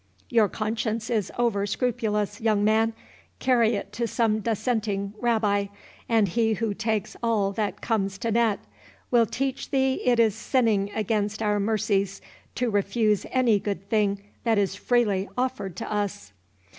"Your conscience is over scrupulous, young man;—carry it to some dissenting rabbi, and he who takes all that comes to net, will teach thee it is sinning against our mercies to refuse any good thing that is freely offered to us."